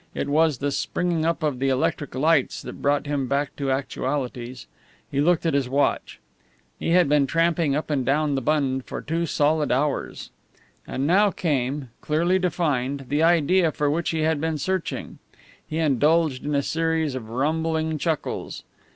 It was the springing up of the electric lights that brought him back to actualities. He looked at his watch. He had been tramping up and down the Bund for two solid hours. And now came, clearly defined, the idea for which he had been searching. He indulged in a series of rumbling chuckles.